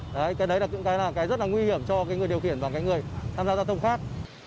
đấy cái đấy là những cái rất là nguy hiểm cho người điều khiển và người tham gia giao thông khác